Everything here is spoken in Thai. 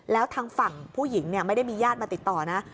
แล้วทางฝั่งผู้หญิงไม่ได้มีญาติมาติดต่อนะ